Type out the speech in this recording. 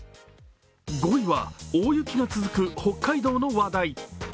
５位は大雪が続く北海道の話題。